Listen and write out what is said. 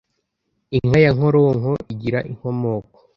inka ya nkoronko igira inkomoko